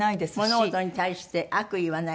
物事に対して悪意はない。